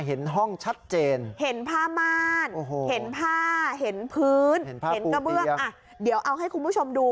เห็นพื้นเห็นกระเบื้องอ่ะเดี๋ยวเอาให้คุณผู้ชมดู